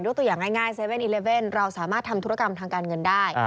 ตัวอย่างง่าย๗๑๑เราสามารถทำธุรกรรมทางการเงินได้